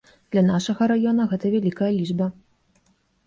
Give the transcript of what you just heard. Для нашага раёна гэта вялікая лічба.